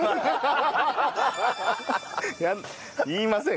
言いません。